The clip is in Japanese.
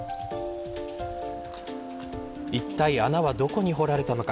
いったい穴は、どこに掘られたのか。